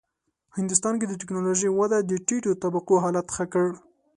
هندوستان کې د ټېکنالوژۍ وده د ټیټو طبقو حالت ښه کړ.